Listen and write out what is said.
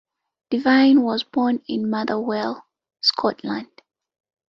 Devine was born in Motherwell, Scotland.